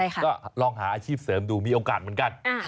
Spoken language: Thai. ก็ลองหาอาชีพเสริมดูมีโอกาสเหมือนกัน